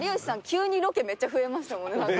急にロケめっちゃ増えましたもんね。